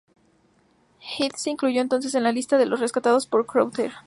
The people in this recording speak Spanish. Head se incluyó entonces en la lista de los rescatados por Crowther.